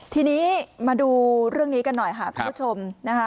ทีนี้มาดูเรื่องนี้กันหน่อยค่ะคุณผู้ชมนะคะ